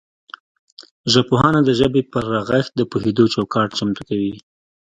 ژبپوهنه د ژبې پر رغښت د پوهیدو چوکاټ چمتو کوي